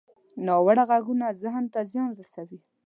ناوړه غږونه ذهن ته زیان رسوي